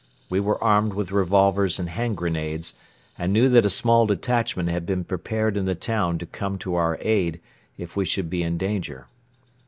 We were armed with revolvers and hand grenades and knew that a small detachment had been prepared in the town to come to our aid, if we should be in danger.